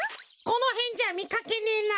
このへんじゃみかけねえな。